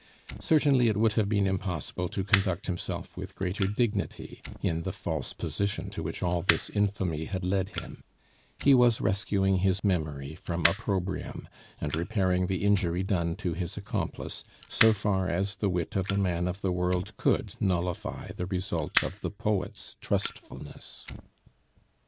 Certainly it would have been impossible to conduct himself with greater dignity, in the false position to which all this infamy had led him; he was rescuing his memory from opprobrium, and repairing the injury done to his accomplice, so far as the wit of a man of the world could nullify the result of the poet's trustfulness.